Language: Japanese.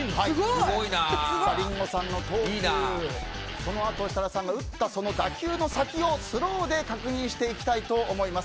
リンゴさんの投球そのあと設楽さんが打った打球のその先をスローで確認していきたいと思います。